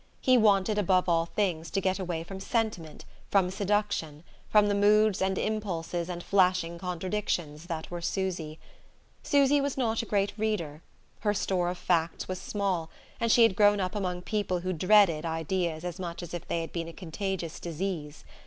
He wanted above all things to get away from sentiment, from seduction, from the moods and impulses and flashing contradictions that were Susy. Susy was not a great reader: her store of facts was small, and she had grown up among people who dreaded ideas as much as if they had been a contagious disease.